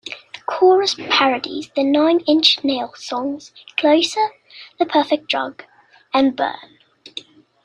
The chorus parodies the Nine Inch Nails songs "Closer", "The Perfect Drug" and "Burn".